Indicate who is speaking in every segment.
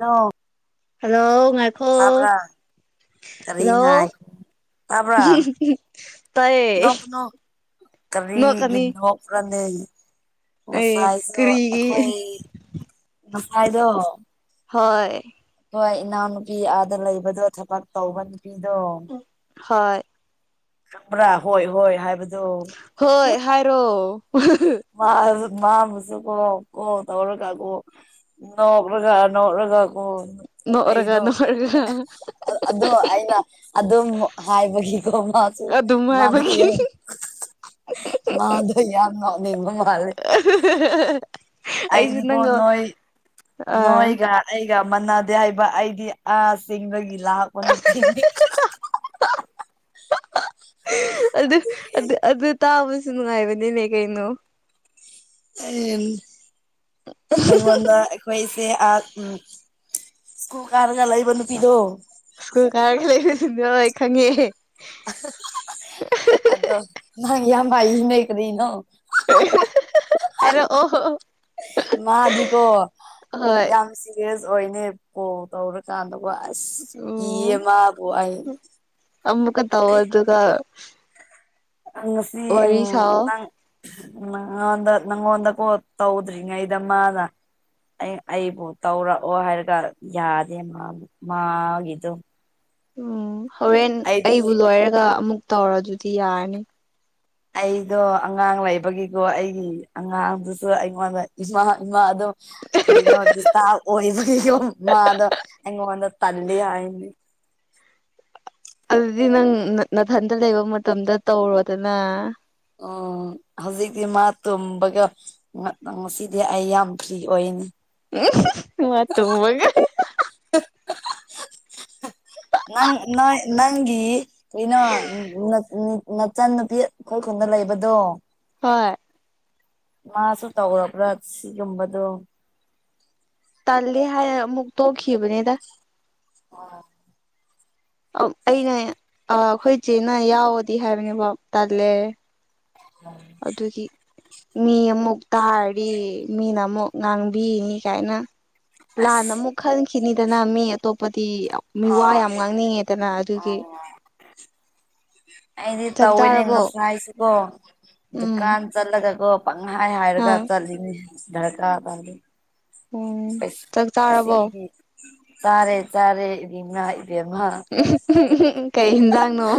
Speaker 1: ꯍꯥꯜꯂꯣ
Speaker 2: hello ꯉꯥꯏꯈꯣ
Speaker 1: ꯁꯥꯄ꯭ꯔ ꯀꯔꯤꯅ
Speaker 2: ꯍꯜꯂꯣ
Speaker 1: ꯇꯥꯕ ꯅ
Speaker 2: ꯇꯥꯏꯌꯦ
Speaker 1: ꯀꯅ ꯀꯔꯤ
Speaker 2: ꯅꯣꯛꯀꯅꯤ
Speaker 1: ꯒꯤꯅ ꯄꯨꯔꯗ
Speaker 2: ꯑꯦ
Speaker 1: ꯉꯐꯥꯏꯗꯣ
Speaker 2: ꯀꯔꯤꯒꯤ
Speaker 1: ꯑꯩꯈꯣꯏ ꯉꯐꯥꯏꯗꯣ
Speaker 2: ꯍꯣꯏ
Speaker 1: ꯍꯣꯏ ꯏꯅꯥꯎꯅꯨꯄꯤ ꯑꯥꯗ ꯂꯩꯕꯗꯣ ꯊꯕꯛ ꯇꯧꯕ ꯅꯨꯄꯤꯗꯣ
Speaker 2: ꯍꯣꯏ
Speaker 1: ꯈꯕ꯭ꯔꯥ ꯍꯣꯏ ꯍꯣꯏ ꯍꯥꯏꯕꯗꯤ
Speaker 2: ꯍꯣꯏ ꯍꯥꯏꯔꯣ
Speaker 1: ꯃꯥ ꯃꯥ ꯃꯁꯨ ꯀꯣ ꯀꯣ ꯇꯧꯔꯒꯀꯣ ꯅꯣꯛ꯭ꯔꯒ ꯅꯣꯛꯂꯒꯥ ꯀ
Speaker 2: ꯅꯣꯛꯔꯒ
Speaker 1: ꯑꯩꯗꯣ
Speaker 2: ꯅꯣꯛꯔꯒ
Speaker 1: ꯑꯗꯣ ꯑꯩꯅ ꯑꯗꯨꯝ ꯍꯥꯏꯕꯒꯤꯀꯣ
Speaker 2: ꯑꯗꯨꯝ ꯍꯥꯏꯕꯒꯤ
Speaker 1: ꯃꯥꯣꯏꯌꯥ ꯃꯥꯗꯨꯣꯏꯌꯥ ꯅꯅꯤ ꯃ ꯃꯥꯜꯦ
Speaker 2: [inaudible] ꯑꯩꯁꯨ
Speaker 1: ꯑꯩꯅꯤꯀꯣ
Speaker 2: ꯅꯪꯒ
Speaker 1: ꯅꯣꯏ
Speaker 2: ꯑꯥ
Speaker 1: ꯅꯣꯏꯒ ꯑꯩꯒ ꯃꯥꯟꯅꯗꯦ ꯍꯥꯏꯕ ꯑꯩꯗꯤ ꯑꯥ ꯆꯦꯡꯕꯒꯤ ꯂꯥꯛꯥꯛꯄ ꯅꯨꯄꯤꯅꯤ [inaudible] [inaudible] ꯑꯗꯨꯒꯤ
Speaker 2: ꯑꯗꯨ ꯑꯗꯨ ꯇꯥꯕꯁꯨ ꯅꯨꯡꯉꯥꯏꯕꯅꯤꯅꯦ ꯀꯩꯅꯣ
Speaker 1: ꯎ ꯑꯩꯉꯣꯟꯗ ꯑꯩꯈꯣꯏꯁꯦ ꯑ ꯎꯝ ꯀꯣ ꯀꯥꯔꯒ ꯂ ꯂꯩꯕ ꯅ ꯄꯤꯗꯣ
Speaker 2: ꯁ꯭ꯀꯨꯜ ꯀꯥꯏꯔꯒ ꯂꯩꯕꯗꯨꯗꯣꯏ ꯈꯪꯉꯦ
Speaker 1: ꯑꯗꯣ ꯅꯪ ꯌꯥꯝ ꯄꯥꯏ ꯅꯣꯏ ꯀꯔꯤꯅꯣ
Speaker 2: ꯑꯣ ꯑꯣꯣ
Speaker 1: ꯃꯥꯗꯤꯀꯣ
Speaker 2: ꯍꯣꯏ
Speaker 1: ꯌꯥꯝ ꯁꯤꯦꯔꯤꯌꯁ ꯑꯣꯏꯅꯦ ꯀꯣꯜ ꯇꯧꯔꯀꯥꯟꯗꯀꯣ ꯏ ꯃꯥꯕꯣꯏ
Speaker 2: ꯑꯃꯃꯒ ꯇꯋꯥꯗꯨꯒ
Speaker 1: ꯑ ꯁꯤ ꯎ
Speaker 2: ꯁꯥꯑꯣ
Speaker 1: ꯅꯪ ꯅꯪꯗ ꯅꯪ ꯑꯣꯟꯗꯀꯣ ꯇꯧꯗ꯭ꯔꯤ ꯉꯥꯏꯗꯃꯅ ꯑꯩ ꯑꯩꯕꯨ ꯇꯧꯔꯛꯑꯣ ꯍꯥꯏꯔꯒ ꯌꯥꯗꯦ ꯃꯥꯕꯨ ꯃꯥꯒꯤꯗꯨꯣ
Speaker 2: ꯎꯝ ꯍꯣꯔꯦꯟ ꯑꯩꯕꯨ ꯂꯣꯏꯔꯒ ꯑꯃꯨꯛ ꯇꯧꯔ ꯑꯗꯨꯗꯤ ꯌꯥꯔꯅꯤ
Speaker 1: ꯑꯩꯗꯣ ꯑꯉꯥꯡ ꯂꯩꯕꯒꯤꯀꯣ ꯑꯩꯒꯤ ꯑꯉꯥꯡꯗꯨꯁꯨ ꯑꯩꯉꯣꯟꯗ ꯏꯃꯥ ꯏꯃꯥꯗꯣ ꯀꯔꯤꯅꯣ ꯑꯣꯕꯣ ꯃꯥꯗ ꯑꯦꯉ ꯋꯥꯗ ꯇꯂꯂꯤꯌꯥꯗꯤ
Speaker 2: ꯑꯗꯨꯗꯤ ꯅꯪ ꯅꯥꯊꯟꯗ ꯂꯩꯕ ꯃꯇꯝꯗ ꯇꯧꯔꯣꯗꯅ
Speaker 1: ꯑꯣ ꯍꯧꯖꯤꯒꯤꯗꯤ ꯃꯥ ꯇꯕꯒ ꯉ ꯁꯤꯗꯤ ꯑꯩ ꯌꯥꯝ ꯐ꯭ꯔꯤ ꯑꯣꯏꯅꯤ
Speaker 2: ꯎ ꯃꯒ
Speaker 1: ꯅꯪ ꯅ ꯅꯪꯒꯤ ꯀꯩꯅꯣ ꯅꯆꯟ ꯅꯨꯄꯤ ꯑꯩꯈꯣꯏꯈꯟꯗ ꯂꯩꯕꯗꯣ
Speaker 2: ꯍꯣꯏ
Speaker 1: ꯃꯥꯁꯨ ꯇꯧꯔꯕ꯭ꯔꯥ ꯁꯤꯒꯨꯝꯕꯗꯣ
Speaker 2: ꯇꯜꯂꯦ ꯍꯥꯏ ꯑꯃꯨꯛ ꯇꯣꯛꯈꯤꯕꯅꯦꯗ
Speaker 1: ꯑ
Speaker 2: ꯑꯩꯅ ꯑꯩꯈꯣꯏꯁꯦꯅ ꯌꯥꯎꯋꯗꯤ ꯍꯥꯏꯕꯅꯦꯕꯣ ꯇꯜꯂꯦ ꯑꯗꯨꯒꯤ ꯃꯤ ꯑꯃꯨꯛ ꯇꯥꯔꯤ ꯃꯤꯅ ꯑꯃꯨꯛ ꯉꯥꯡꯕꯤꯅꯤ ꯀꯥꯏꯅ ꯂꯥꯟꯅ
Speaker 1: ꯑꯁ
Speaker 2: ꯑꯃꯨꯛ ꯈꯟꯈꯤꯅꯤꯗꯅ ꯃꯤ ꯑꯇꯣꯞꯄꯗꯤ ꯃꯤ ꯋꯥ
Speaker 1: ꯑꯣ
Speaker 2: ꯌꯥꯝ
Speaker 1: ꯑꯗꯨꯅꯦ
Speaker 2: ꯉꯥꯡꯅꯤꯡꯉꯦꯗꯅ ꯑꯗꯨꯒꯤ
Speaker 1: ꯑꯣ ꯑꯩꯗꯤ
Speaker 2: ꯆꯥꯛ ꯆꯥꯔꯕꯣ
Speaker 1: ꯇꯧꯋꯦꯅꯦꯉ ꯍꯥꯏꯁꯤ ꯀꯣ
Speaker 2: ꯎꯝ
Speaker 1: ꯗꯨꯀꯥꯟ ꯆꯠꯂꯒꯀꯣ ꯄꯪꯍꯥꯏ
Speaker 2: ꯑ
Speaker 1: ꯍꯥꯏꯔꯒ ꯆꯠꯂꯤꯅꯤ ꯙꯔꯀꯥ ꯄꯗꯤ
Speaker 2: ꯎꯝ ꯆꯥꯛ ꯆꯥꯔꯕꯣ
Speaker 1: ꯑꯁꯤꯒꯤ ꯇꯥꯔꯦ ꯇꯥꯔꯦ ꯏꯕꯦꯝꯃꯥ ꯏꯕꯦꯝꯃ
Speaker 2: ꯀꯩ ꯌꯦꯟꯖꯥꯡꯅꯣ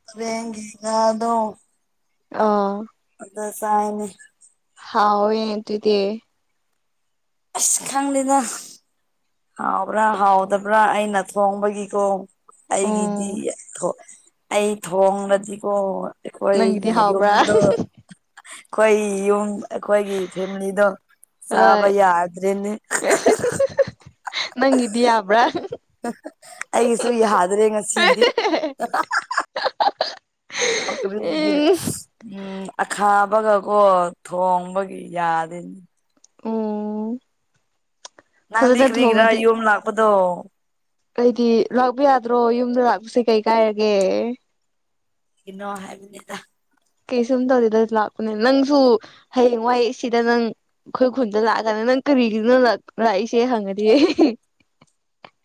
Speaker 1: [unintelligible]
Speaker 2: ꯑ
Speaker 1: ꯑꯗ ꯁꯥꯏꯅ
Speaker 2: ꯍꯥꯎ ꯌꯦ ꯇ ꯏꯗꯤꯦ
Speaker 1: ꯑꯁ ꯈꯪꯂꯤꯦꯅ ꯍꯥꯎꯕ꯭ꯔꯥ ꯍꯥꯎꯗꯕ꯭ꯔꯥ ꯑꯩꯅ ꯊꯣꯡꯕꯒꯤꯀꯣ ꯑꯩꯒꯤꯗꯤ
Speaker 2: ꯎꯝ
Speaker 1: ꯑꯩ ꯊꯣꯡꯡꯂꯗꯤꯀꯣ
Speaker 2: ꯅꯪꯒꯤꯗꯤ
Speaker 1: ꯑꯩꯈꯣꯏꯒꯤ
Speaker 2: ꯍꯥꯎꯕ꯭ꯔꯥ
Speaker 1: ꯌꯨꯝꯗꯣ ꯑꯩꯈꯣꯏ ꯌꯨꯝ ꯑꯩꯈꯣꯏꯒꯤ ꯐꯦꯃꯤꯂꯤꯗꯣ ꯆꯥꯕ
Speaker 2: ꯍꯣꯏ
Speaker 1: ꯌꯥꯗ꯭ꯔꯦꯅꯦ
Speaker 2: ꯅꯪꯗ ꯌꯥꯕ꯭ꯔꯥ
Speaker 1: ꯑꯩꯒꯤꯁꯨ ꯌꯥꯗ꯭ꯔꯦ ꯉꯁꯤꯗꯤ ꯑꯣꯈꯔꯤꯒꯤꯔꯦ
Speaker 2: ꯎꯝ
Speaker 1: ꯎꯝ ꯑꯈꯥꯕꯒꯀꯣ ꯊꯣꯡꯕꯒꯤ ꯌꯥꯗꯅꯤ
Speaker 2: ꯎꯝ
Speaker 1: ꯅꯪꯗꯤ
Speaker 2: ꯐꯖꯅ
Speaker 1: ꯀꯔꯤꯒꯤꯔꯥ ꯌꯨꯝ ꯂꯥꯛꯄꯗꯣ
Speaker 2: ꯀꯩꯗꯤ ꯂꯥꯛꯄ ꯌꯥꯗ꯭ꯔꯣ ꯌꯨꯝꯗ ꯂꯥꯛꯄꯁꯦ ꯀꯩ ꯀꯥꯏꯔꯒꯦ
Speaker 1: ꯅ ꯍꯥꯏꯕꯅꯦꯗ
Speaker 2: ꯀꯩꯁꯨꯝ ꯇꯧꯗꯦꯗ ꯂꯥꯛꯄꯅꯦ ꯅꯪꯁꯨ ꯍꯌꯦꯡꯋꯥꯏꯩ ꯁꯤꯗ ꯅꯪ ꯑꯩꯈꯣꯏ ꯈꯨꯟꯗ ꯂꯥꯛꯑꯀꯥꯟꯅꯤ ꯅꯪ ꯀꯔꯤꯒꯤꯅ ꯂꯥꯛꯏꯁꯦ ꯍꯪꯉꯗꯤ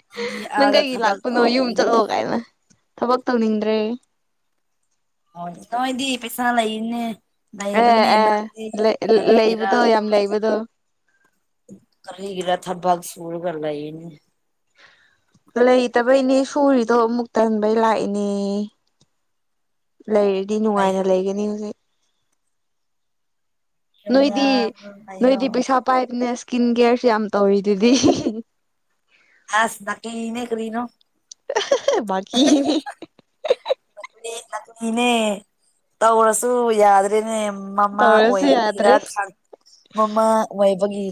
Speaker 1: ꯅꯪꯗꯤ
Speaker 2: ꯅꯪ
Speaker 1: ꯑꯥꯗ
Speaker 2: ꯀꯩꯒꯤ
Speaker 1: ꯊꯕꯛ
Speaker 2: ꯂꯥꯛꯄꯅꯣ ꯌꯨꯝ
Speaker 1: ꯇꯧꯕꯒꯤꯅꯦ
Speaker 2: ꯆꯠꯂꯣ ꯀꯥꯏꯅ ꯊꯕꯛ ꯇꯧꯅꯤꯡꯗ꯭ꯔꯦ
Speaker 1: ꯍ ꯅꯣꯏꯗꯤ ꯄꯩꯁꯥ ꯂꯩꯅꯦ
Speaker 2: ꯑꯦ
Speaker 1: ꯂꯩꯕꯅꯦ
Speaker 2: ꯑꯦ
Speaker 1: ꯅꯪꯗꯤ
Speaker 2: ꯂꯩ
Speaker 1: ꯀꯔꯤꯒꯤꯔꯥ
Speaker 2: ꯂꯩꯕꯗꯣ ꯌꯥꯝ ꯂꯩꯕꯗꯣ
Speaker 1: ꯒꯔ ꯊꯕꯥꯒ ꯁꯨꯔꯒ ꯂꯏꯅꯦ
Speaker 2: ꯂꯩꯇꯕꯩꯅꯦ ꯁꯨꯔꯤꯗꯣ ꯑꯃꯨꯛ ꯇꯟꯕꯩ ꯂꯥꯛꯏꯅꯦ ꯂꯩꯔꯗꯤ ꯅꯨꯡꯉꯥꯏꯅ
Speaker 1: ꯂꯩꯌꯣ
Speaker 2: ꯂꯩꯒꯅꯤ ꯍꯧꯖꯤꯛ ꯅꯣꯏꯗꯤ
Speaker 1: ꯑꯗꯨ ꯂꯩꯌꯣ
Speaker 2: ꯅꯣꯏꯗꯤ ꯄꯩꯁꯥ ꯄꯥꯏꯕꯅꯦ ꯏꯁꯀꯤꯟ ꯀꯦꯌꯔꯁꯨ ꯌꯥꯝ ꯇꯧꯔꯤꯗꯨꯗꯤ
Speaker 1: ꯑꯦꯁ ꯅ ꯀꯂꯤꯅꯦ ꯀꯔꯤꯅꯣ
Speaker 2: ꯀꯤꯅꯦ
Speaker 1: ꯅꯤꯅꯦ ꯇꯧꯔꯁꯨ ꯌꯥꯗ꯭ꯔꯦꯅꯦ ꯃꯃꯥ
Speaker 2: ꯇꯧꯔꯁꯨ
Speaker 1: ꯑꯣꯏꯕꯒꯤꯔ
Speaker 2: ꯌꯥꯗ꯭ꯔꯦ
Speaker 1: ꯃꯃꯥ ꯑꯣꯏꯕꯒꯤ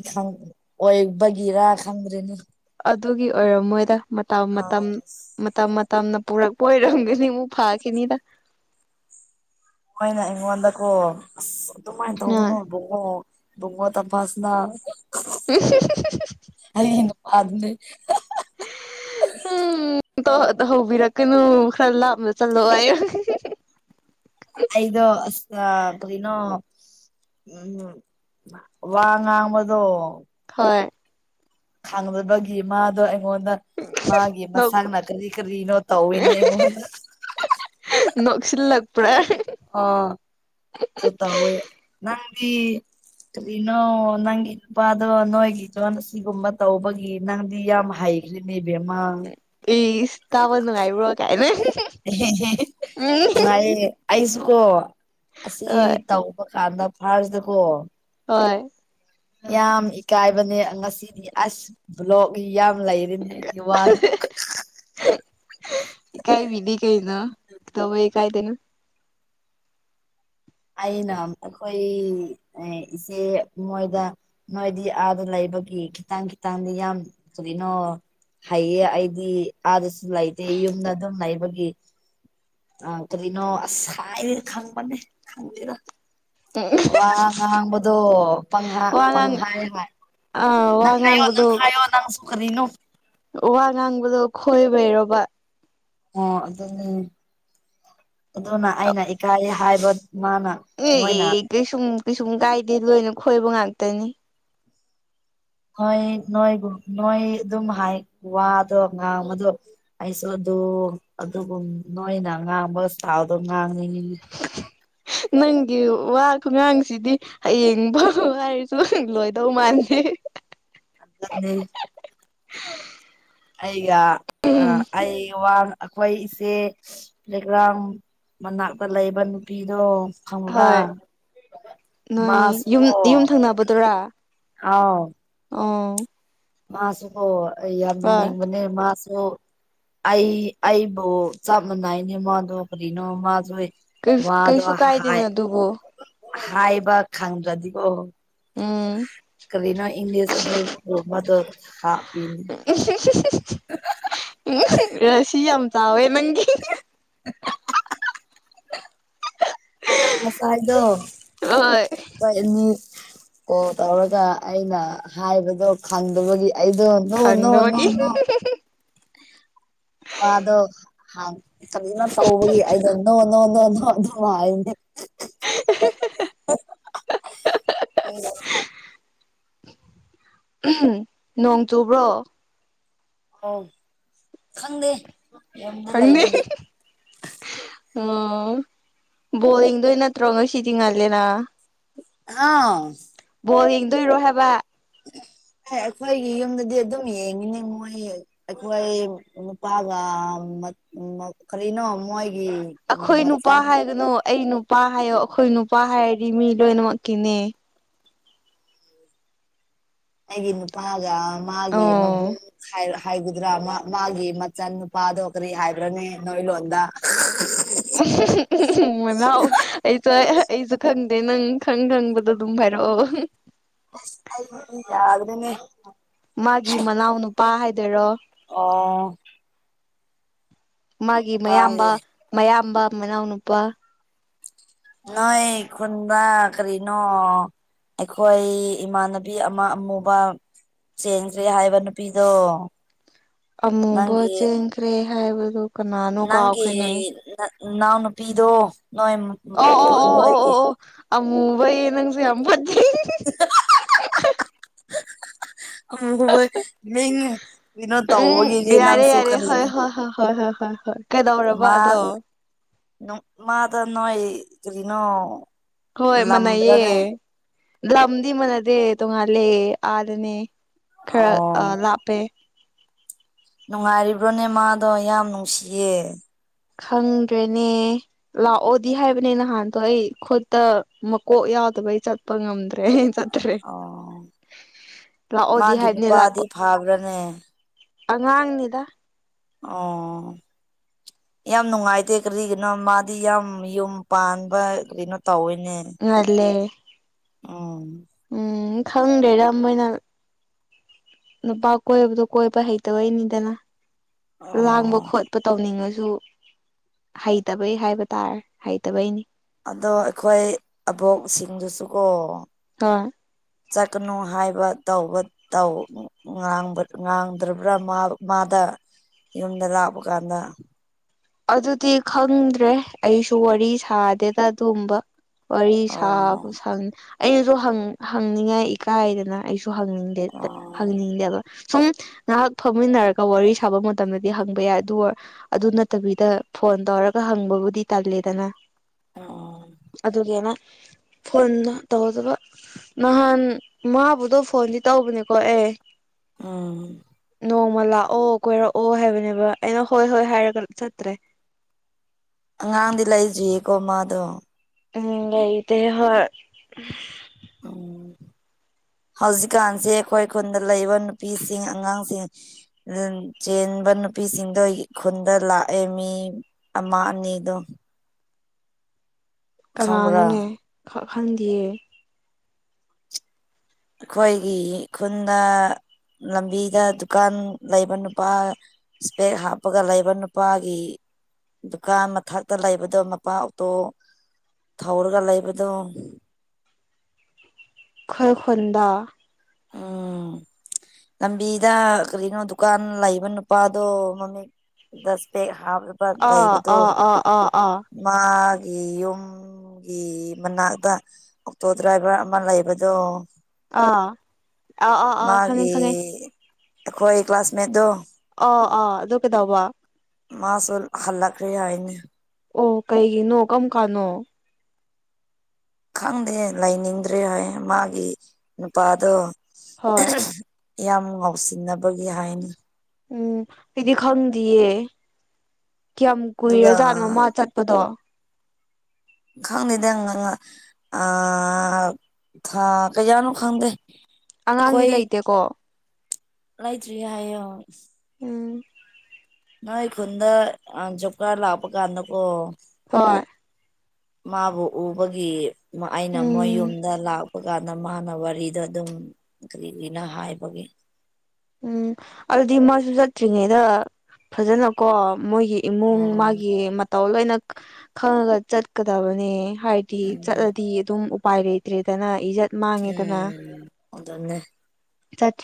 Speaker 1: ꯑꯣꯏꯕꯒꯤꯔ ꯈꯪꯗ꯭ꯔꯦꯅ
Speaker 2: ꯑꯗꯨꯒꯤ ꯑꯣꯏꯔꯣ ꯃꯣꯏꯗ ꯃꯇꯝ ꯃꯇꯝ
Speaker 1: ꯑꯥ
Speaker 2: ꯃꯇꯝ ꯃꯇꯝꯅ ꯄꯨꯔꯛꯄ ꯑꯣꯏꯔꯝꯒꯅꯤ ꯑꯃꯨꯛ ꯐꯥꯈꯤꯅꯤꯗ
Speaker 1: ꯑꯩꯣꯏꯅ ꯑꯩꯉꯣꯟꯗꯀꯣ ꯑꯗꯨꯃꯥꯏꯅ
Speaker 2: ꯎꯝ
Speaker 1: ꯇꯧꯕꯅꯣꯕꯀꯣ ꯨꯡꯉ ꯇꯝ ꯐꯥꯁꯅ
Speaker 2: ꯎꯝ
Speaker 1: ꯑꯅ ꯑꯗꯨ
Speaker 2: ꯎꯝꯇꯣ ꯇ ꯍꯧꯕꯤꯔꯛꯀꯅꯨ ꯈꯔ ꯂꯥꯞꯅ ꯆꯜꯂꯣꯑꯣ ꯍꯥꯏꯔ
Speaker 1: ꯑꯩꯗꯣ ꯑꯁꯅꯣ ꯎ ꯋꯥ ꯉꯥꯡꯕꯗꯣ
Speaker 2: ꯍꯣꯏ
Speaker 1: ꯍꯪꯅꯕꯒꯤ ꯃꯥꯗꯣ ꯑꯩꯉꯣꯟꯗ ꯃꯥꯒꯤ ꯃꯁꯥꯅ ꯀꯔꯤ ꯀꯔꯤꯅꯣ ꯇꯧꯋꯅꯦ ꯑꯩꯉꯣꯟꯗ
Speaker 2: ꯅꯈꯁꯤ ꯂꯥꯛꯄꯔꯥ
Speaker 1: ꯑꯥ ꯇ ꯇ ꯑꯣꯏ ꯅꯪꯗꯤ ꯀꯔꯤꯅꯣ ꯅꯪꯒꯤ ꯅꯨꯄꯥꯗꯣ ꯅꯣꯏꯒꯤꯗꯣꯅ ꯁꯤꯒꯨꯝꯕ ꯇꯧꯕꯒꯤ ꯅꯪꯗꯤ ꯌꯥꯝ ꯍꯩ ꯏꯕꯃ
Speaker 2: ꯑꯦ ꯇꯥꯕ ꯅꯨꯡꯉꯥꯏꯕ꯭ꯔꯣ ꯀꯥꯏꯅ ꯎꯝ
Speaker 1: ꯅꯨꯡꯉꯥꯏꯌꯦ ꯑꯩꯁꯨꯀꯣ
Speaker 2: ꯍꯣꯏ
Speaker 1: ꯑꯁꯤ ꯇꯧꯕ ꯀꯥꯟꯗ ꯐꯥꯔꯁꯇꯀꯣ
Speaker 2: ꯍꯣꯏ
Speaker 1: ꯌꯥꯝ ꯏꯀꯥꯏꯕꯅꯦ ꯉꯁꯤꯗꯤ ꯑꯁ ꯕ꯭ꯂꯣꯛ ꯌꯥꯝ ꯂꯩꯔꯦ ꯑꯗꯨꯅꯦ ꯏ ꯋꯥ ꯑꯗꯨ
Speaker 2: ꯀꯥꯏ ꯗꯤ ꯀꯥꯏ ꯅ ꯇ ꯀꯥꯏ ꯇꯅ
Speaker 1: ꯑꯩꯅ ꯑꯩꯈꯣꯏ ꯏꯆꯦ ꯃꯣꯏꯗ ꯅꯣꯏꯗꯤ ꯑꯥꯗ ꯂꯩꯕꯒꯤ ꯈꯤꯇꯪ ꯈꯤꯇꯪꯗꯤ ꯌꯥꯝ ꯀꯔꯤꯅꯣ ꯍꯩꯌꯦ ꯑꯩꯗꯤ ꯑꯥꯗꯁꯨ ꯂꯩꯇꯦ ꯌꯨꯝꯗ ꯑꯗꯨꯝ ꯂꯩꯕꯒꯤ ꯑ ꯀꯔꯤꯅꯣ ꯑꯁꯥꯏꯅꯤꯔ ꯈꯪ ꯃꯅꯦ ꯈꯪꯗꯔ ꯋꯥ ꯉ ꯋꯥꯡꯃꯗꯨꯣ ꯄꯪ
Speaker 2: ꯋꯥ
Speaker 1: ꯄꯪ
Speaker 2: ꯉꯥꯡ
Speaker 1: ꯍꯥꯏ
Speaker 2: ꯑꯥ ꯋꯥ
Speaker 1: ꯅꯪ ꯍꯥꯏꯌꯣ
Speaker 2: ꯉꯥꯡꯥꯡꯕꯗ
Speaker 1: ꯅꯪ ꯍꯥꯏꯌꯣ ꯅꯪꯁꯨ ꯀꯔꯤꯅꯣ
Speaker 2: ꯋꯥ ꯉꯥꯡꯕꯗꯣ ꯈꯣꯏꯕꯩꯔꯣꯕꯥ
Speaker 1: ꯑꯣ ꯑꯗꯨ ꯑꯗꯨꯅ ꯑꯩꯅ ꯏꯀꯥꯏ ꯍꯥꯏꯕ ꯃꯥꯅ
Speaker 2: ꯏ ꯏ
Speaker 1: ꯃꯣꯏꯅ
Speaker 2: ꯀꯩꯁꯨꯝ ꯀꯩꯁꯨꯝ ꯀꯥꯏꯗꯦ ꯂꯣꯏꯅ ꯈꯣꯏꯕ ꯉꯥꯛꯇꯅꯤ
Speaker 1: ꯍꯣꯏ ꯅꯣꯏꯒ ꯅꯣꯏ ꯑꯗꯨꯝ ꯍꯥꯏ ꯋꯥꯗꯣ ꯑꯉꯥꯡꯕꯗꯣ ꯑꯩꯁꯨ ꯑꯗꯨ ꯑꯗꯨꯒꯨꯝ ꯅꯣꯏꯅ ꯉꯥꯡꯕꯒ ꯊꯥꯎꯗꯣ ꯉꯥꯡꯅꯤꯡꯉꯤꯅꯤ
Speaker 2: ꯅꯪꯒꯤ ꯋꯥ ꯈꯨꯃꯥꯡꯁꯤꯗꯤ ꯍꯌꯦꯡ ꯐ ꯍꯥꯏꯔꯁꯨ ꯂꯣꯏꯗꯧ ꯃꯥꯂꯦ
Speaker 1: ꯂꯩ ꯑꯩꯒ ꯑ
Speaker 2: ꯎꯝ
Speaker 1: ꯑꯩ ꯋꯥ ꯑꯩꯈꯣꯏ ꯏꯆꯦ ꯄ꯭ꯂꯦꯒ꯭ꯔꯥꯎꯟ ꯃꯅꯥꯛꯇ ꯂꯩꯕ ꯅꯨꯄꯤꯗꯣ ꯈꯥꯎꯔꯥ
Speaker 2: ꯍꯣꯏ ꯅꯣꯏ ꯌꯨꯝ ꯌꯨꯝ ꯊꯪꯅꯕꯗꯨꯔꯥ ꯎ
Speaker 1: ꯃꯥꯁꯨꯣ ꯑꯩ ꯌꯥꯝ
Speaker 2: ꯍꯣꯏ
Speaker 1: ꯅꯨꯅꯤꯡꯕꯅꯦ ꯃꯥꯁꯨ ꯑꯩ ꯑꯩꯕꯨ ꯆꯞ ꯃꯥꯟꯅꯏꯅꯦ ꯃꯥꯗꯣ ꯀꯔꯤꯅꯣ ꯃꯥꯁꯨ ꯋꯥꯗꯣ
Speaker 2: ꯀꯩꯁꯨ
Speaker 1: ꯍꯥꯏ
Speaker 2: ꯀꯥꯏꯗꯦꯅ ꯑꯗꯨꯕꯨ
Speaker 1: ꯍꯥꯏꯕ ꯈꯪꯗ꯭ꯔꯗꯤꯀꯣ
Speaker 2: ꯎꯝ
Speaker 1: ꯀꯔꯤꯅꯣ ꯏꯪꯂꯤꯁ ꯑꯗꯨ ꯑꯗꯨ ꯍꯥ ꯄꯤꯅꯤ
Speaker 2: ꯕꯤꯔ ꯁꯤ ꯌꯥꯝ ꯆꯥꯎꯋꯦ ꯅꯪꯒꯤ
Speaker 1: [inaudible] ꯑꯗ ꯃꯁꯥꯥꯏꯗꯣ
Speaker 2: ꯍꯣꯏ
Speaker 1: ꯀꯣꯏꯅꯤ ꯀꯣ ꯇꯧꯔꯒ ꯑꯩꯅ ꯍꯥꯏꯕꯗꯣ ꯈꯪꯗꯕꯒꯤ ꯑꯩꯗꯣ ꯑꯣꯣ ꯑꯣꯅꯣ ꯑꯣꯅꯣ
Speaker 2: ꯈꯪꯗꯕꯒꯤ
Speaker 1: ꯑꯣꯅꯣ ꯑꯗꯣ ꯁꯖꯅ ꯇꯧꯕꯒꯤ ꯑꯩꯅ ꯅꯣ ꯅꯣ ꯅ ꯅꯣ ꯑꯗꯨꯝ ꯍꯥꯏꯅꯦ
Speaker 2: [inaudible] ꯅꯣꯡ ꯆꯨꯕ꯭ꯔꯣ
Speaker 1: ꯑꯥꯎ ꯈꯪꯗꯦ ꯌꯨꯝꯗ
Speaker 2: ꯀꯅꯤ
Speaker 1: ꯂꯩꯕꯒꯤ [inaudible]
Speaker 2: ꯎꯝ ꯕꯣꯂꯤꯡꯗ ꯅꯠꯇ꯭ꯔꯣ ꯉꯁꯤꯗꯤꯤꯡ ꯉꯜꯂꯦꯅ
Speaker 1: ꯑꯥ
Speaker 2: ꯕꯣꯜ ꯌꯦꯡꯗꯣꯏꯔꯣ ꯍꯥꯏꯕ
Speaker 1: ꯑꯦ ꯑꯩꯈꯣꯏꯒꯤ ꯌꯨꯝꯗꯗꯤ ꯑꯗꯨꯝ ꯌꯦꯡꯉꯤꯅꯦ ꯃꯣꯏ ꯑꯩꯈꯣꯏ ꯅꯨꯄꯥꯒ ꯀꯔꯤꯅꯣ ꯃꯣꯏꯒꯤ
Speaker 2: ꯑꯩꯈꯣꯏ ꯅꯨꯄꯥ
Speaker 1: ꯃꯆꯟ
Speaker 2: ꯍꯥꯏꯒꯅꯨ ꯑꯩ ꯅꯨꯄꯥ ꯍꯥꯏꯌꯣ ꯑꯩꯈꯣꯏ ꯅꯨꯄꯥ ꯍꯥꯏꯔꯗꯤ ꯃꯤ ꯂꯣꯏꯅꯃꯛꯀꯤꯅꯦ
Speaker 1: ꯍꯥꯏꯒꯤ ꯏ ꯅꯨꯄꯥꯒ ꯃꯥꯒꯤꯦ ꯃꯕꯨ
Speaker 2: ꯑꯣ
Speaker 1: ꯍꯥꯏꯒꯨꯗ꯭ꯔꯥ ꯃꯥꯒꯤ ꯃꯆꯟ ꯅꯨꯄꯥꯗꯣ ꯀꯔꯤ ꯍꯥꯏꯕ꯭ꯔꯅꯦ ꯅꯣꯏ ꯂꯣꯟꯗ [inaudible]
Speaker 2: ꯑ ꯃꯅꯥꯎ ꯑꯩꯁꯨ ꯑꯩꯁꯨ ꯈꯪꯗꯦ ꯅꯪ ꯈꯪ ꯈꯪꯕꯗꯣ ꯑꯗꯨꯝ ꯍꯥꯏꯥꯏꯔꯛꯑꯣ
Speaker 1: ꯌꯥꯒꯗꯅꯦ
Speaker 2: ꯃꯥꯒꯤ ꯃꯅꯥꯎ ꯅꯨꯄꯥ ꯍꯥꯏꯗꯔꯣ
Speaker 1: ꯑꯣ
Speaker 2: ꯃꯥꯒꯤ ꯃꯌꯥꯝꯕ ꯃꯌꯥꯝꯕ ꯃꯅꯥꯎꯅꯨꯄꯥ
Speaker 1: ꯅ ꯀꯟꯗꯥ ꯀꯔꯤꯅꯣ ꯑꯩꯈꯣꯏ ꯏꯃꯥꯟꯅꯕꯤ ꯑꯃ ꯑꯃꯨꯕ ꯆꯦꯟꯈ꯭ꯔꯦ ꯍꯥꯏꯕ ꯅꯨꯄꯤꯗꯣ
Speaker 2: ꯑꯃꯨꯕ
Speaker 1: ꯅꯪꯒꯤ
Speaker 2: ꯆꯦꯟꯈ꯭ꯔꯦ ꯍꯥꯏꯕꯗꯨ ꯀꯅꯥꯅꯣ ꯀꯥꯎꯈ꯭ꯔꯤꯅꯦ
Speaker 1: ꯏꯅꯥꯎ ꯅꯨꯄꯤꯗꯣ ꯅꯣꯏ ꯅꯣꯏꯒꯤ
Speaker 2: ꯑꯃꯨꯕ ꯅꯪꯁꯨ ꯌꯥꯝꯝꯕ
Speaker 1: [unintelligible] ꯅꯣ
Speaker 2: ꯎꯝ
Speaker 1: ꯇꯧꯕꯒꯤꯅꯦ
Speaker 2: ꯌꯥꯔꯦ
Speaker 1: ꯅꯪꯁꯨ
Speaker 2: ꯌꯥꯔꯦ
Speaker 1: ꯀꯔꯤꯅꯣ
Speaker 2: ꯍꯣꯏ ꯍꯣꯏ ꯍꯣꯏ ꯍꯣꯏ ꯍꯣꯏ ꯍꯣꯏ ꯍꯣꯏ ꯀꯩꯗꯧꯔꯕ
Speaker 1: ꯃꯥ
Speaker 2: ꯑꯗꯣ
Speaker 1: ꯃꯥꯗ ꯅꯣꯏ ꯀꯔꯤꯅꯣ
Speaker 2: ꯍꯣꯏ ꯃꯅꯩꯌꯦ
Speaker 1: ꯂꯝꯕ꯭ꯔꯅꯦ
Speaker 2: ꯂꯝꯗꯤ ꯃꯥꯟꯅꯗꯦ ꯇꯣꯉꯥꯜꯂꯦ ꯑꯥꯗꯅꯦ ꯈꯔ
Speaker 1: ꯑꯣ
Speaker 2: ꯂꯥꯞꯄꯦ
Speaker 1: ꯅꯨꯡꯉꯥꯏꯔꯤꯕ꯭ꯔꯣꯅꯦ ꯃꯥꯗꯣ ꯌꯥꯝ ꯅꯨꯡꯁꯤꯌꯦ
Speaker 2: ꯈꯪꯗ꯭ꯔꯦꯅꯦ ꯂꯥꯛꯑꯣꯗꯤ ꯍꯥꯏꯕꯅꯤ ꯅꯍꯥꯟꯗꯣ ꯑꯩ ꯈꯨꯠꯇ ꯃꯀꯣꯛ ꯌꯥꯎꯗꯕꯩ ꯆꯠꯄ ꯉꯝꯗ꯭ꯔꯦ ꯭ꯔꯦ
Speaker 1: ꯑꯣ
Speaker 2: ꯂꯥꯛꯑꯣꯗꯤ
Speaker 1: ꯃꯥꯒꯤ
Speaker 2: ꯍꯥꯏꯕꯅꯦ
Speaker 1: ꯅꯨꯄꯥꯗꯤ
Speaker 2: ꯂꯥꯛꯄ
Speaker 1: ꯐꯥꯕ꯭ꯔꯥꯅꯦ
Speaker 2: ꯑꯉꯥꯡꯅꯤꯗ
Speaker 1: ꯑꯣ ꯌꯥꯝ ꯅꯨꯡꯉꯥꯏꯇꯦ ꯀꯔꯤꯒꯤꯅꯣ ꯃꯥꯗꯤ ꯌꯥꯝ ꯌꯨꯝ ꯄꯥꯟꯕ ꯀꯩꯅꯣ ꯇꯧꯋꯦꯅꯦ
Speaker 2: ꯉꯔꯂꯦ
Speaker 1: ꯑꯣ
Speaker 2: ꯎꯝ ꯈꯪꯗꯦꯔꯥ ꯃꯣꯏꯅ ꯅꯨꯄꯥ ꯀꯣꯏꯕꯗꯣ ꯀꯣꯏꯕ ꯍꯩꯇꯕꯩꯅꯤꯗꯅ ꯂꯥꯡꯕ
Speaker 1: ꯑꯣ
Speaker 2: ꯈꯣꯠ ꯇꯧꯅꯤꯡꯉꯁꯨ ꯍꯩꯇꯕꯩ ꯍꯥꯏꯕ ꯇꯥꯔꯦ ꯍꯩꯇꯕꯩꯅꯤ
Speaker 1: ꯑꯗꯣ ꯑꯩꯈꯣꯏ ꯑꯕꯣꯛꯁꯤꯡꯗꯨꯁꯨ ꯀꯣ
Speaker 2: [unintelligible]
Speaker 1: ꯆꯠꯀꯅꯨ ꯍꯥꯏꯕ ꯇꯧꯕ ꯇ ꯥꯡꯕ ꯉꯥꯡꯗ꯭ꯔꯕ꯭ꯔꯥ ꯃꯥꯗ ꯌꯨꯝꯗ ꯂꯥꯛꯄ ꯀꯥꯟꯗ
Speaker 2: ꯑꯗꯨꯗꯤ ꯈꯪꯗ꯭ꯔꯦ ꯑꯩꯁꯨ ꯋꯥꯔꯤ ꯁꯥꯗꯦꯗ ꯑꯗꯨꯒꯨꯝꯕ ꯋꯥꯔꯤ ꯁꯥꯕꯨ
Speaker 1: ꯑꯣ
Speaker 2: ꯁ ꯑꯩꯅꯁꯨ ꯍꯪꯅꯤꯡꯉꯥꯏ ꯏꯀꯥꯏꯗꯅ ꯑꯩꯁꯨ ꯍꯗꯦ
Speaker 1: ꯑꯣ
Speaker 2: ꯍꯪꯍꯅꯤꯡꯗꯦꯕ ꯁꯨꯝ ꯉꯥꯏꯍꯥꯛ ꯐꯝꯃꯤꯟꯅꯔꯒ ꯋꯥꯔꯤ ꯁꯥꯕ ꯃꯇꯝꯗꯗꯤ ꯍꯪꯕ ꯌꯥꯏ ꯑꯗꯨ ꯑꯗꯨ ꯐꯠꯇꯕꯤꯗ ꯐꯣꯟ ꯇꯧꯔꯒ ꯍꯪꯕꯕꯨꯗꯤ ꯇꯜꯂꯦꯗꯅ
Speaker 1: ꯑꯣ
Speaker 2: ꯑꯗꯨꯒꯤꯅ ꯐꯣꯟ ꯇꯧꯗꯕ ꯅꯍꯥꯟ ꯃꯥꯕꯨꯗꯣ ꯐꯣꯟꯗꯤ ꯇꯧꯕꯅꯦꯀꯣ ꯑꯦ
Speaker 1: ꯑꯥ
Speaker 2: ꯅꯣꯡꯃ ꯂꯥꯛꯑꯣ ꯀꯣꯏꯔꯛꯑꯣ ꯍꯥꯏꯕꯅꯦꯕ ꯑꯩꯅ ꯍꯣꯏ ꯍꯣꯏ ꯍꯥꯏꯔꯒ ꯆꯠꯇ꯭ꯔꯦ
Speaker 1: ꯑꯉꯥꯡꯗꯤ ꯂꯩꯗ꯭ꯔꯤꯌꯦꯀꯣ ꯃꯥꯗꯣ
Speaker 2: ꯎꯝ ꯂꯩꯗ ꯍꯣꯏ
Speaker 1: ꯎꯝ ꯍꯧꯖꯤꯛꯀꯥꯟꯁꯦ ꯑꯩꯈꯣꯏ ꯈꯨꯟꯗ ꯂꯩꯕ ꯅꯨꯄꯤꯁꯤꯡ ꯑꯉꯥꯡꯁꯤꯡ ꯆꯦꯟꯕ ꯅꯨꯄꯤꯁꯤꯡꯗ ꯈꯨꯟꯗ ꯂꯥꯛꯑꯦ ꯃꯤ ꯑꯃꯥ ꯑꯅꯤꯗꯣ ꯈꯪꯕ꯭ꯔꯥ
Speaker 2: ꯀꯅꯥꯅꯣꯅꯦ ꯈꯪꯗꯌꯦ
Speaker 1: ꯑꯩꯈꯣꯏꯒꯤ ꯈꯨꯟꯗ ꯂꯝꯕꯤꯗ ꯗꯨꯀꯥꯟ ꯂꯩꯕ ꯅꯨꯄꯥ ꯏꯁꯄꯦꯛ ꯍꯥꯞꯄꯒ ꯂꯩꯕ ꯅꯨꯄꯥꯒꯤ ꯗꯨꯀꯥꯟ ꯃꯊꯛꯇ ꯂꯩꯕꯗꯣ ꯃꯄꯥ ꯑꯣꯇꯣ ꯊꯧꯔꯒ ꯂꯩꯕꯗꯣ
Speaker 2: ꯈꯔꯈꯟꯗ
Speaker 1: ꯑꯥ ꯂꯝꯕꯤꯗ ꯀꯔꯤꯅꯣ ꯗꯨꯀꯥꯟ ꯂꯩꯕ ꯅꯨꯄꯥꯗꯣ ꯃꯃꯤꯡ ꯗꯁꯄ ꯍꯥꯥꯎ
Speaker 2: ꯑꯥ ꯑ ꯑ ꯑ ꯑꯥ
Speaker 1: ꯃꯥꯒꯤꯌꯨꯝ ꯒꯤ ꯃꯅꯥꯛꯇ ꯑꯣꯛꯇꯣ ꯗ꯭ꯔꯥꯏꯚꯔ ꯑꯃ ꯂꯩꯕꯗꯣ
Speaker 2: ꯑꯥ ꯑꯥ ꯑꯥ ꯑꯥ ꯈꯪꯉꯦ
Speaker 1: ꯃꯥꯒꯤ
Speaker 2: ꯈꯪꯉꯦ
Speaker 1: ꯑꯩꯈꯣꯏ ꯀ꯭ꯂꯥꯁꯃꯦꯠꯇꯣ
Speaker 2: ꯑ ꯑꯥ ꯑꯗꯨꯗ ꯀꯦ ꯇꯎꯕ
Speaker 1: ꯃꯥꯁꯨꯣ ꯍꯜꯂꯀ꯭ꯔ ꯍꯥꯏꯅꯦ
Speaker 2: ꯑꯣ ꯀꯩꯒꯤꯅꯣ ꯀꯔꯝ ꯀꯥꯟꯅꯣ
Speaker 1: ꯈꯪꯗꯦ ꯂꯩꯅꯤꯡꯗ꯭ꯔꯦ ꯍꯥꯏ ꯃꯥꯒꯤ ꯅꯨꯄꯥꯗꯣ
Speaker 2: ꯍꯣꯏ
Speaker 1: ꯌꯥꯝ ꯉꯥꯎꯁꯤꯟꯅꯕꯒꯤ ꯍꯥꯏꯅꯤ
Speaker 2: ꯎꯝ ꯑꯩꯗꯤ ꯈꯪꯗꯦꯌꯦ ꯀꯌꯥꯝ
Speaker 1: ꯑꯗꯨꯒ
Speaker 2: ꯀꯨꯏꯔꯖꯥꯠꯅꯣ ꯃꯥ ꯆꯠ ꯎꯗꯣ
Speaker 1: ꯈꯪꯅꯤꯗ ꯑ ꯊꯥ ꯀꯖꯅꯨ ꯈꯪꯗ
Speaker 2: ꯑꯉꯥꯡꯗꯤ ꯂꯩꯇꯦꯀꯣ
Speaker 1: ꯂꯩꯥꯏꯗ꯭ꯔꯤ ꯍꯥꯏ
Speaker 2: ꯎꯝ
Speaker 1: ꯅꯣꯏ ꯈꯨꯨꯟꯗ ꯖꯣꯀꯔ ꯂꯥꯛꯄ ꯀꯥꯟꯗ ꯀꯣ
Speaker 2: ꯍꯣꯏ
Speaker 1: ꯃꯥꯕꯨ ꯎꯕꯒꯤ ꯑꯩꯅ ꯃꯣꯏ
Speaker 2: ꯎꯝ
Speaker 1: ꯌꯨꯝꯗ ꯂꯥꯛ ꯄ ꯀꯥꯟꯗ ꯃꯥꯅ ꯋꯥꯔꯤꯗ ꯑꯗꯨꯝ ꯀꯔꯤꯅ ꯍꯥꯏꯕꯒꯤꯦ
Speaker 2: ꯎꯝ ꯑꯗꯨꯗꯤ ꯃꯥꯁꯨ ꯆꯠꯇ꯭ꯔꯤꯉꯩꯗ ꯐꯖꯅꯀꯣ ꯃꯣꯏꯒꯤ ꯏꯃꯨꯡ
Speaker 1: ꯑꯣ
Speaker 2: ꯃꯥꯒꯤ ꯃꯇꯧ ꯂꯣꯏꯅ ꯈꯪꯉꯒ ꯆꯠꯀꯗꯕꯅꯤ ꯍꯥꯏꯗꯤ
Speaker 1: ꯎꯝ
Speaker 2: ꯆꯠꯂꯗꯤ ꯑꯗꯨꯝ ꯎꯄꯥꯏ ꯂꯩꯇ꯭ꯔꯦꯗꯅ ꯏꯖꯠ ꯃꯥꯥꯡꯉꯦꯗꯅ
Speaker 1: ꯎꯝ ꯑꯗꯨꯅꯦ
Speaker 2: ꯆ